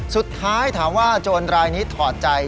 สุดท้ายถามว่าโจรรายนี้ถอดใจ